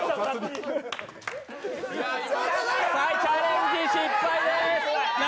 チャレンジ失敗です。